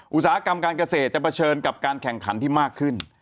อุตสาหกรรมการเกษตรจะเผชิญกับการแข่งขันที่มากขึ้น